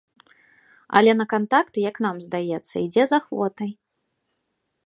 Але на кантакт, як нам здаецца, ідзе з ахвотай.